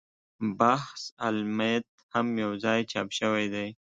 بحث المیت هم یو ځای چاپ شوی دی.